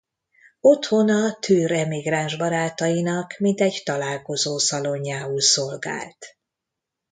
Otthona Türr emigráns barátainak mintegy találkozó szalonjául szolgált.